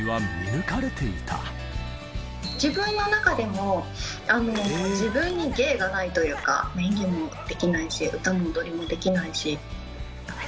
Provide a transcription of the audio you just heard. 自分の中でも、自分に芸がないというか、演技もできないし、歌も踊りもできないし。